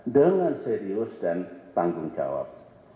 dengan serius dan tanggung jawab